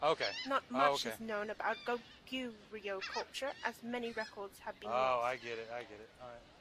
Not much is known about Goguryeo culture, as many records have been lost.